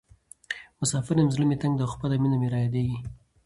مسافر یم زړه مې تنګ ده او خپله مینه مې رایادیزې.